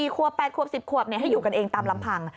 ควบ๘ควบ๑๐ขวบให้อยู่กันเองตามลำพัง